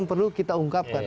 ini perlu kita ungkapkan